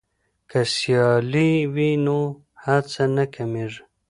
که سیالي وي نو هڅه نه کمېږي.